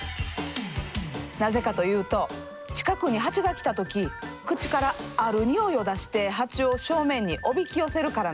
なぜかというと近くにハチが来たとき口からある匂いを出してハチを正面におびき寄せるからなの。